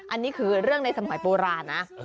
อันนี้คือเรื่องในสมัยโบราณนะ